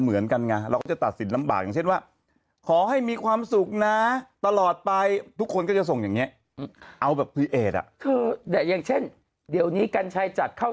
เอาแบบพลีเอดอ่ะเข้าแต่อย่างเช่นเดี๋ยวนี้กัญชัยจัดเข้า